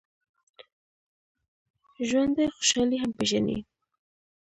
ژوندي خوشحالي هم پېژني